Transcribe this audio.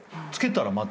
つけたら？